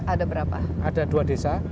ada berapa ada dua desa